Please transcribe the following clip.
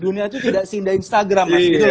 dunia itu tidak seindah instagram mas